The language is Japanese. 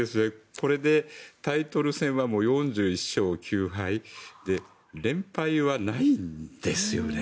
これでタイトル戦は４１勝９敗で連敗はないんですよね。